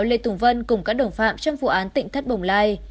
lê tùng vân cùng các đồng phạm trong vụ án tỉnh thất bồng lai